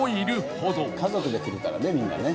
家族で来るからねみんなね。